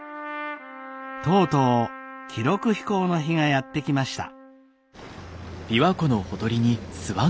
とうとう記録飛行の日がやって来ました。